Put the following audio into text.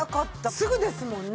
すぐですもんね。